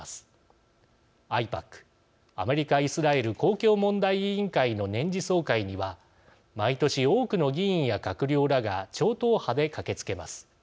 ＡＩＰＡＣ＝アメリカ・イスラエル公共問題委員会の年次総会には毎年多くの議員や閣僚らが超党派で駆けつけます。